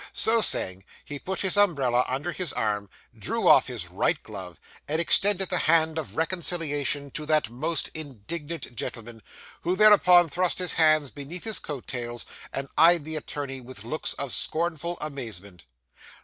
So saying, he put his umbrella under his arm, drew off his right glove, and extended the hand of reconciliation to that most indignant gentleman; who, thereupon, thrust his hands beneath his coat tails, and eyed the attorney with looks of scornful amazement.